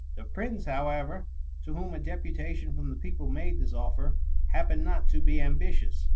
The prince however, to whom a deputation from the people made this offer, happened not to be ambitious.